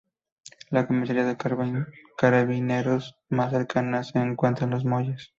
La comisaría de Carabineros más cercana se encuentra en Los Molles.